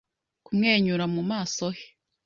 Kumwenyura mu maso he